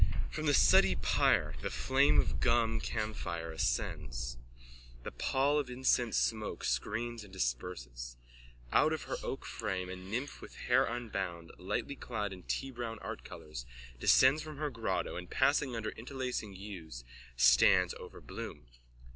_(From the suttee pyre the flame of gum camphire ascends. The pall of incense smoke screens and disperses. Out of her oakframe a nymph with hair unbound, lightly clad in teabrown artcolours, descends from her grotto and passing under interlacing yews stands over Bloom.)